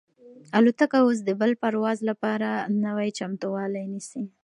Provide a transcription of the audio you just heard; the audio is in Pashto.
الوتکه اوس د بل پرواز لپاره نوی چمتووالی نیسي.